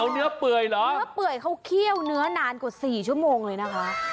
เนื้อเปื่อยเขาเขี้ยวเนื้อนานกว่า๔ชั่วโมงเลยนะคะ